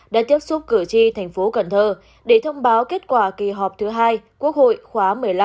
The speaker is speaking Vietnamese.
đã tiếp xúc cử tri thành phố cần thơ để thông báo kết quả kỳ họp thứ hai quốc hội khóa một mươi năm